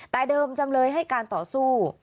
แต่เดิมจำเลยให้การต่อสู้